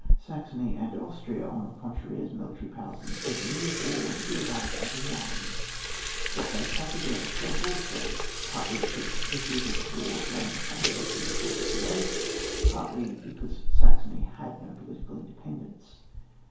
Saxony and Austria, on the contrary, as military powers in the Seven Years' War, were to be regarded as one ; what the one suffered the other felt also, partly because the theatres of war lay in the same direction for Frederick the Great, partly because Saxony had no political independence.